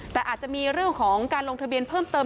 แต่อาจจะมีเรื่องของการลงทะเบียนเพิ่มเติม